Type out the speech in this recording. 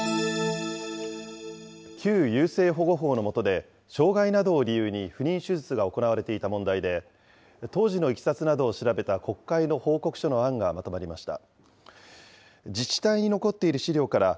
旧優生保護法のもとで障害などを理由に不妊手術が行われていた問題で、当時のいきさつなどを調べた国会の報告書の案がまとまりました。